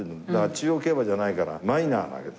中央競馬じゃないからマイナーなわけだ。